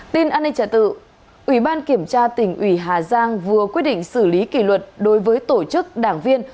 tin an ninh trả tự ủy ban kiểm tra tỉnh ủy hà giang vừa quyết định xử lý kỷ luật đối với tổ chức đảng viên